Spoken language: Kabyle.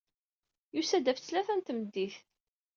Yusa-d ɣef ttlata n tmeddit.